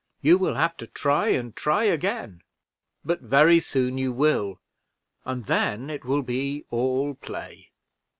You will have to try and try again; but very soon you will, and then it will be all play.